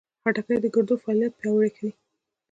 خټکی د ګردو فعالیت پیاوړی کوي.